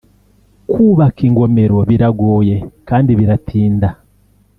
Kubaka ingomero biragoye kandi biratinda